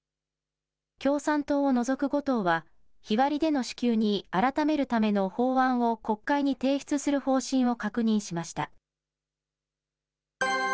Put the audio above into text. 共産党を除く５党は、日割りでの支給に改めるための法案を、国会に提出する方針を確認